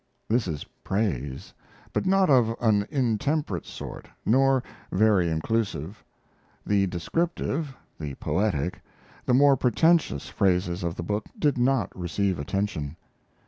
This is praise, but not of an intemperate sort, nor very inclusive. The descriptive, the poetic, the more pretentious phases of the book did not receive attention.